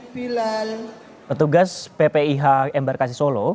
sembilan petugas ppih embarkasi solo